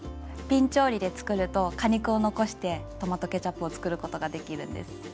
びん調理で作ると果肉を残してトマトケチャップを作ることができるんです。